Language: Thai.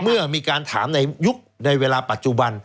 เมื่อมีการถามในยุคในเวลาปัจจุบัน